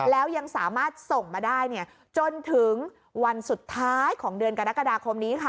แล้วยังสามารถส่งมาได้จนถึงวันสุดท้ายของเดือนกรกฎาคมนี้ค่ะ